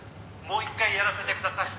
「もう一回やらせてください」